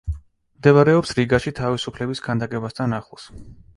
მდებარეობს რიგაში, თავისუფლების ქანდაკებასთან ახლოს.